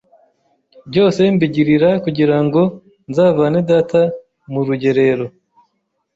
byose mbigirira kugira ngo nzavane data mu rugerero